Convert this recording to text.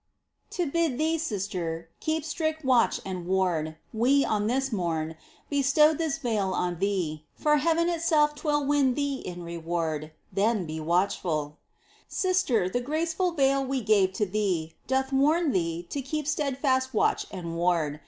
To bid thee, sister, keep strict watch and ward. We, on this morn, bestowed this veil on thee. For heaven itself 'twill win thee in reward —■ Then watchful be ! 26 MINOR WORKS OF ST. TERESA. Sister, the graceful veil we gave to thee Doth warn thee to keep steadfast watch and ward.